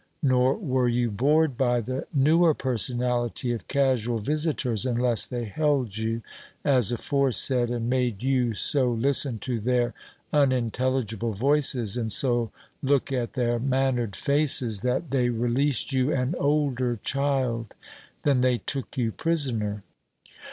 Nor were you bored by the newer personality of casual visitors, unless they held you, as aforesaid, and made you so listen to their unintelligible voices and so look at their mannered faces that they released you an older child than they took you prisoner.